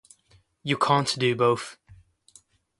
You can't do both.